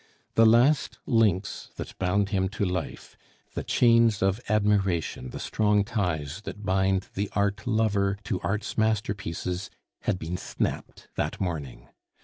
The last links that bound him to life, the chains of admiration, the strong ties that bind the art lover to Art's masterpieces, had been snapped that morning.